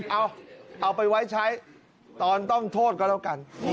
เอาเอาไปไว้ใช้ตอนต้องโทษก็แล้วกัน